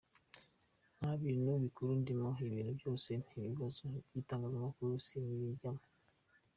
Nta bintu by’inkuru ndimo, ibintu byose by’ibibazo by’itangazamakuru sinkibijyamo.